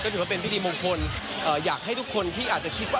จริงว่าเป็นพี่ดีมงคลอยากให้ทุกคนที่จะคิดว่า